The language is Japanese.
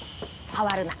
触るな！